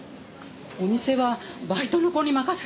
お店はバイトの子に任せてるから。